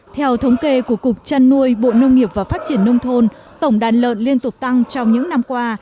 theo thống kê của cục trăn nuôi bộ nông nghiệp và phát triển nông thôn tổng đàn lợn liên tục tăng trong những năm qua